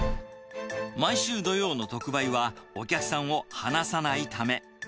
毎週土曜の特売は、お客さんを離さないため。